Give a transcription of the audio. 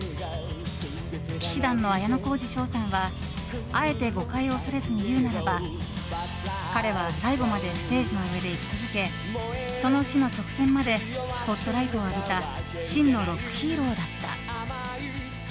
氣志團の綾小路翔さんはあえて誤解を恐れずに言うならば彼は最後までステージの上で生き続けその死の直前までスポットライトを浴びた真のロックヒーローだった。